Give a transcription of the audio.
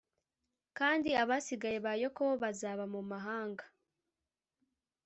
Kandi abasigaye ba Yakobo bazaba mu mahanga